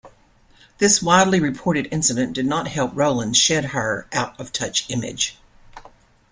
This widely reported incident did not help Rowlands shed her 'out-of-touch' image.